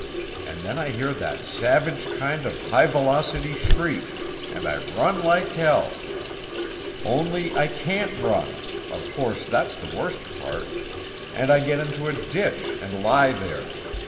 and then I hear that savage kind of high velocity shriek, and I run like hell ... only I can't run, of course, that's the worst part ... and I get into a ditch and lie there